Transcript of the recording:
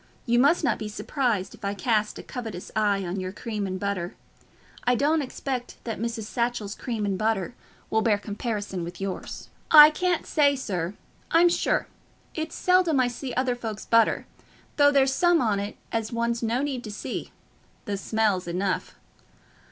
You must not be surprised if I cast a covetous eye on your cream and butter. I don't expect that Mrs. Satchell's cream and butter will bear comparison with yours." "I can't say, sir, I'm sure. It's seldom I see other folks's butter, though there's some on it as one's no need to see—the smell's enough."